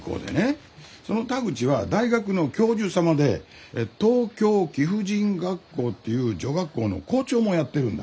その田口は大学の教授様で東京貴婦人学校っていう女学校の校長もやってるんだ。